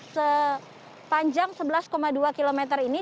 sepanjang sebelas dua km ini